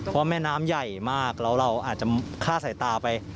เพราะแม่น้ำใหญ่มากแล้วเราอาจจะฆ่าสายตาไป